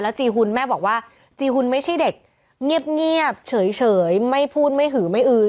จีหุ่นแม่บอกว่าจีหุ่นไม่ใช่เด็กเงียบเฉยไม่พูดไม่หือไม่อือ